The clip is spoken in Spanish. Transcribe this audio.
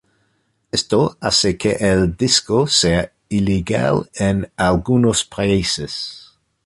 Esto hace que el disco sea ilegal en algunos países.